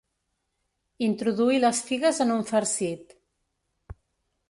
Introduir les figues en un farcit.